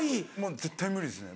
絶対無理ですね